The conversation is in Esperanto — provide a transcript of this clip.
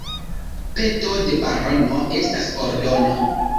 Peto de barono estas ordono.